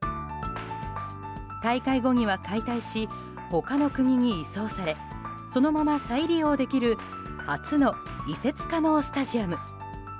大会後には解体し他の国に移送されそのまま再利用できる初の移設可能スタジアム。